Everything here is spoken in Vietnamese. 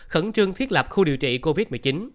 khẩn trương thiết lập khu điều trị covid một mươi chín